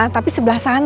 tapi sebelah sana